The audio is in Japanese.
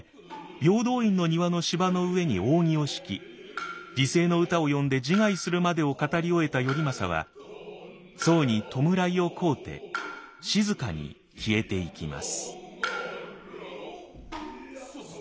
平等院の庭の芝の上に扇を敷き辞世の歌を詠んで自害するまでを語り終えた頼政は僧に弔いを乞うて静かに消えていきます。